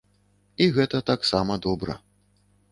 І гэта таксама добра.